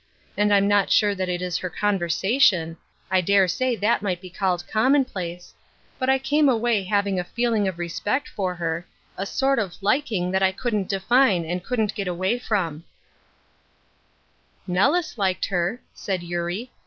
And I'm not sure that it is her conversation — I dare say that might be called commonplace — but I came «,way having a feeA nig of respect for her, a sort of R^ang that I couldn't define, and couldn't get away from," Side Issues, 31 " Nellis liked her," said Eurie.